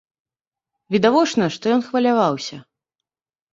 Відавочна, што ён хваляваўся.